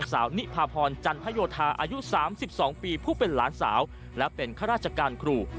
สิบสองปีผู้เป็นหลานสาวและเป็นข้าราชการครู